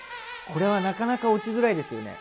これはなかなか落ちづらいですよね。